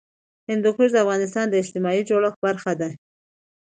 هندوکش د افغانستان د اجتماعي جوړښت برخه ده.